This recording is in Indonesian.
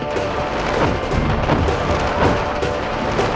dan sampai ketemu lagi